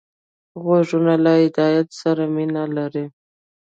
غوږونه له هدایت سره مینه لري